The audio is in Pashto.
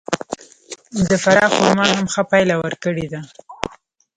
د فراه خرما هم ښه پایله ورکړې ده.